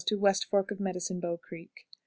West Fork of Medicine Bow Creek. 2.